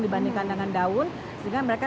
dibandingkan dengan daun sehingga mereka